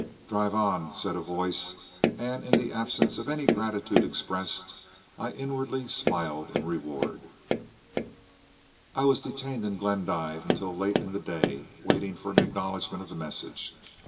"Drive on," said a voice, and, in the absence of any gratitude expressed, I inwardly smiled in reward. I was detained in Glendive until late in the day, waiting for an acknowledgment of the message.